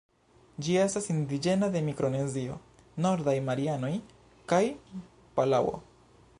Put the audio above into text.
Ĝi estas indiĝena de Mikronezio, Nordaj Marianoj kaj Palaŭo.